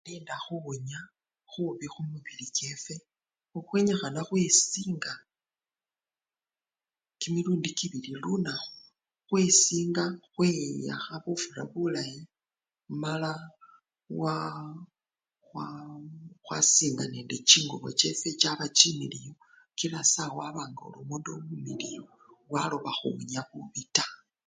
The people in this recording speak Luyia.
Khwilinda khuwunya bubi khumibili kyefwe, fwe khwenyikhana khwesinga kimilundu kibili lunakju, khwesinga khweyakha bufura bulayi mala khwa! khwa! khwasinga nende chingubo chefwe chaba chimiliyu kila sawa omundu omumiliyu waloba khuwunya bubi taa.